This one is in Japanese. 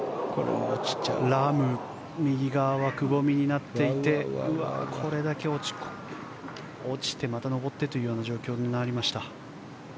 ラームですが右側、くぼみになっていてこれだけ落ちてまた上ってという状況です。